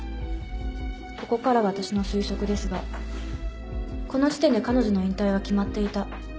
ここからは私の推測ですがこの時点で彼女の引退は決まっていた。